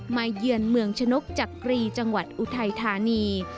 เยือนเมืองชนกจักรีจังหวัดอุทัยธานี